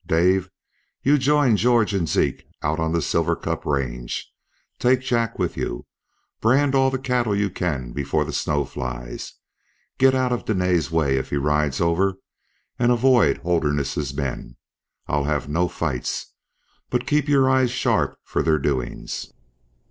Dave, you join George and Zeke out on the Silver Cup range. Take Jack with you. Brand all the cattle you can before the snow flies. Get out of Dene's way if he rides over, and avoid Holderness's men. I'll have no fights. But keep your eyes sharp for their doings."